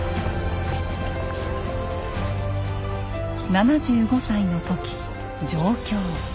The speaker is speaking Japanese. ７５歳の時上京。